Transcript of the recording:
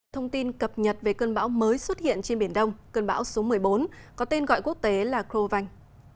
thông tin cập nhật về cơn bão mới xuất hiện trên biển đông cơn bão số một mươi bốn có tên gọi quốc tế là cro vanh